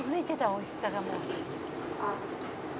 おいしさがもう」